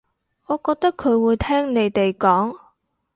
我覺得佢會聽你哋講